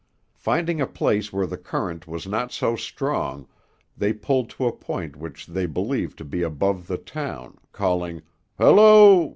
Finding a place where the current was not so strong, they pulled to a point which they believed to be above the town, calling "Halloo!